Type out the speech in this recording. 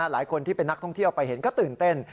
หลายคนที่เป็นนักท่องเที่ยวไปเห็นก็ตื่นเต้น